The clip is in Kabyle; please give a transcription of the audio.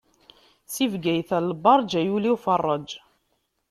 Si Bgayet ɣer Lberǧ, ay ul-iw ferreǧ!